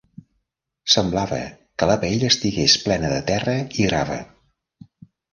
Semblava que la paella estigués plena de terra i grava.